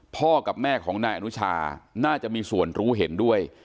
พ่อกับแม่ของนายอนุชาน่าจะมีส่วนรู้เห็นด้วย